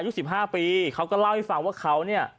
อายุ๑๕ปีเขาก็เล่าให้ฟังว่าเขาเนี่ย